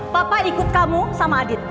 papa ikut kamu sama adit